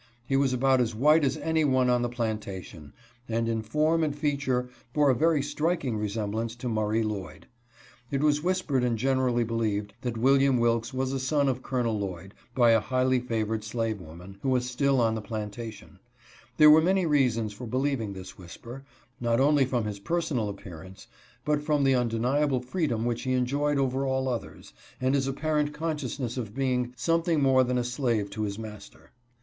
He was about as white as any one on the plantation, and in form and fea ture bore a very striking resemblance to Murray Lloyd. It was whispered and generally believed that William Wilks was a son of Col. Lloyd, by a highly favored slave woman, who was still on the plantation. There were many reasons for believing this whisper, not only from his Whipping of Old Barney A FAVORITE SOLD TO THE SLAVE TRADER. 73 personal appearance, but from the undeniable freedom which he enjoyed over all others, and his apparent con sciousness of being something more than a slave to his master.